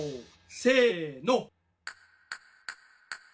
せの。